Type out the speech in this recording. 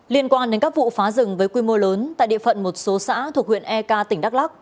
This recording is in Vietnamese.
liên quan đến các vụ phá rừng với quy mô lớn tại địa phận một số xã thuộc huyện ek tỉnh đắk lắc